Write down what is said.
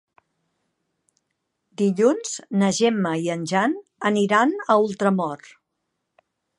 Dilluns na Gemma i en Jan aniran a Ultramort.